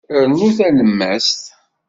Rnu talemmast.